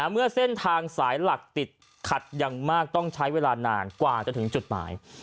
เมื่อเส้นทางสายหลักติดขัดอย่างมากต้องใช้เวลานานกว่าจะถึงจุดหมาย